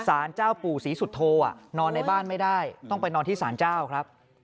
สารเจ้าปู่ศรีสุโธนอนในบ้านไม่ได้ต้องไปนอนที่สารเจ้าครับ